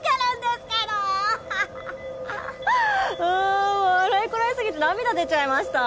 あ笑いこらえすぎて涙出ちゃいました。